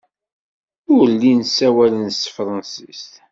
Ur llin ssawalen s tefṛensist.